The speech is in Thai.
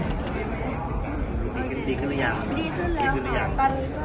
อยากให้แม่โอกาส